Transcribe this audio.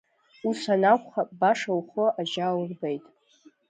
Ус анакәха, баша ухы аџьа аурбеит.